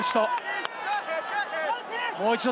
もう一度。